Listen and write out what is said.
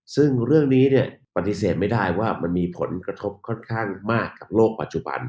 ซึ่งเรื่องนี้ปฏิเสธไม่ได้ว่ามันมีผลกระทบค่อนข้างมากกับโลกปัจจุบัน